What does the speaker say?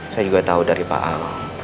saya juga tahu dari pak ahok